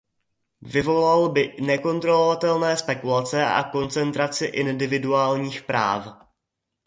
Vyvolal by nekontrolovatelné spekulace a koncentraci individuálních práv.